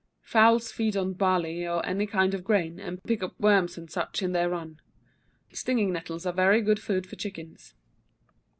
Fowls feed on barley or any kind of grain, and pick up worms, &c., in their run. Stinging nettles are very good food for chickens.